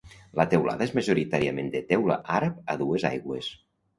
La teulada és majoritàriament de teula àrab a dues aigües.